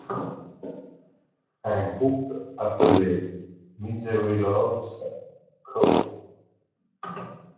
Un groupe appelé Misery Loves Co.